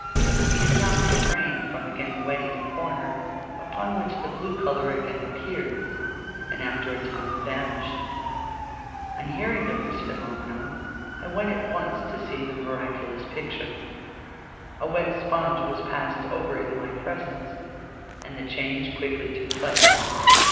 He could not refrain from again wetting a corner, upon which the blue colour again appeared, and after a time vanished. On hearing of this phenomenon, I went at once to see the miraculous picture. A wet sponge was passed over it in my presence, and the change quickly took place.